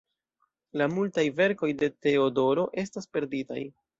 La multaj verkoj de Teodoro estas perditaj.